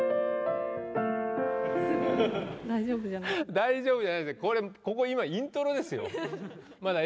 大丈夫じゃないです。